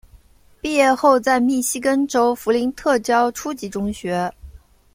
毕业后在密西根州弗林特教初级中学。